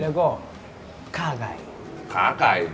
แล้วก็ขาไก่